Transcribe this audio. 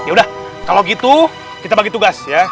yaudah kalau gitu kita bagi tugas ya